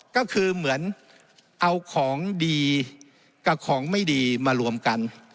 ก็คือเหมือนเอาของดีกับของไม่ดีมารวมกัน